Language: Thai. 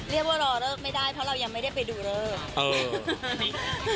เรียกว่ารอเลิกไม่ได้เพราะเรายังไม่ได้ไปดูเลิก